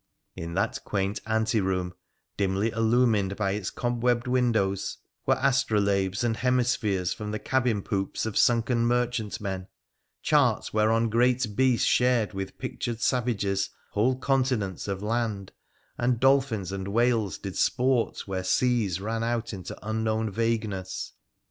In that quaint ante room, dimly illumined by its cobwebbed windows, were astrolabes and hemispheres from the cabin poop3 of sunken merchantmen ; charts whereon great beasts shared with pictured savages whole continents of land, and x2 308 WONDERFUL ADVENTURES OP dolphins and whales did sport where seas ran out into unknowt vagueness.